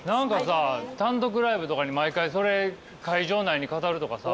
単独ライブとかに毎回それ会場内に飾るとかさ。